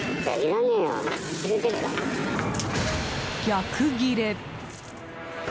逆ギレ！